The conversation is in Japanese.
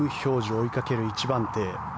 追いかける１番手。